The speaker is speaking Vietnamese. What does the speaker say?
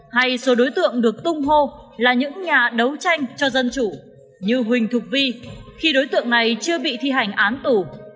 hay số đối tượng được tung hô là những nhà đấu tranh cho dân chủ như huỳnh thục vi khi đối tượng này chưa bị thi hành án tù